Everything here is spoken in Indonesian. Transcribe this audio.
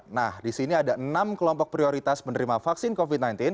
nah di sini ada enam kelompok prioritas menerima vaksin covid sembilan belas